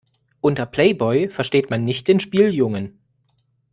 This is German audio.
Unter Playboy versteht man nicht den Spieljungen.